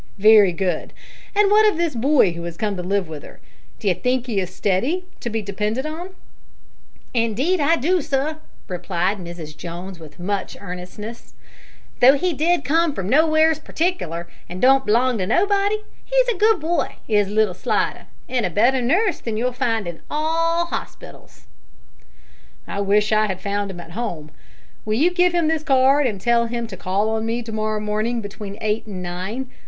"Very good. And what of this boy who has come to live with her? D'you think he is steady to be depended on?" "Indeed I do, sir!" replied Mrs Jones, with much earnestness. "Though he did come from nowheres in partiklar, an' don't b'long to nobody, he's a good boy, is little Slidder, and a better nurse you'll not find in all the hospitals." "I wish I had found him at home. Will you give him this card, and tell him to call on me to morrow morning between eight and nine?